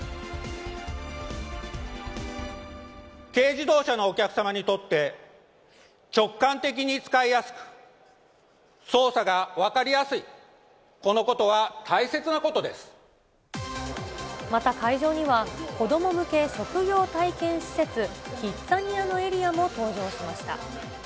軽自動車のお客様にとって、直感的に使いやすく、操作が分かりやすい、また、会場には子ども向け職業体験施設、キッザニアのエリアも登場しまし